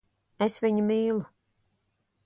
Es viņu mīlu.